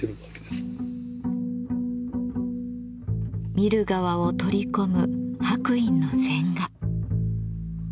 見る側を取り込む白隠の禅画。